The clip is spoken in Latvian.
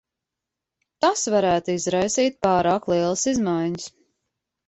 Tas varētu izraisīt pārāk lielas izmaiņas.